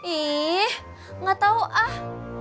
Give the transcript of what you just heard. ih gak tau ah